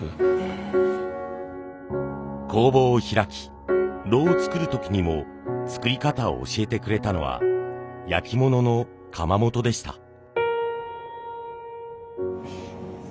工房を開き炉を作る時にも作り方を教えてくれたのは焼き物の窯元でした。